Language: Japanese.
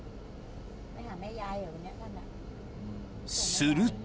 ［すると］